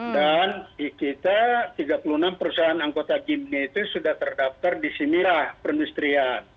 dan di kita tiga puluh enam perusahaan anggota gimme itu sudah terdaftar di simirah perindustrian